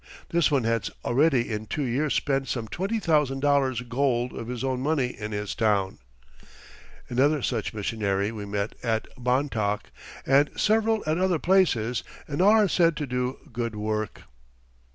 This one had already in two years spent some twenty thousand dollars gold of his own money in his town. Another such missionary we met at Bontoc, and several at other places, and all are said to do good work.